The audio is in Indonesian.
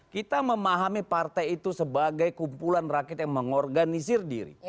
kita memahami partai itu sebagai kumpulan rakyat yang mengorganisir diri